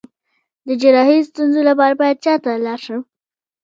د جراحي ستونزو لپاره باید چا ته لاړ شم؟